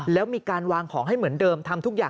แล้วมีการวางของให้เหมือนเดิมทำทุกอย่าง